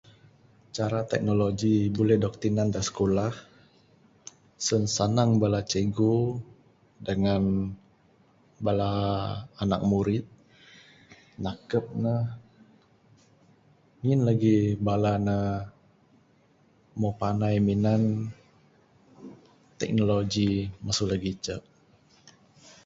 Cara teknologi buleh udog tinan da sikulah, sen sanang bala cikgu dangan bala anak murid, nakep ne. Ngin lagih bala ne moh panai minan teknologi masu lagi icek.